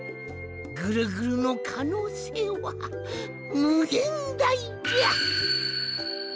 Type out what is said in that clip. ぐるぐるのかのうせいはむげんだいじゃ！